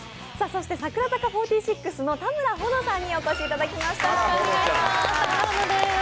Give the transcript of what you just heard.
そして櫻坂４６の田村保乃さんにもお越しいただきました。